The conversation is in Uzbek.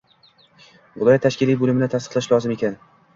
viloyat tashkiliy bo‘limi tasdiqlashi lozim ekan.